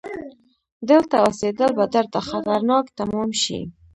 دلته اوسيدل به درته خطرناک تمام شي!